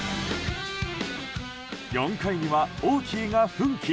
４回にはオーキーが奮起。